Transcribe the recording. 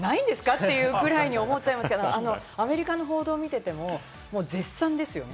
っていうぐらいに思っちゃいますけど、アメリカの報道を見ていても絶賛ですよね。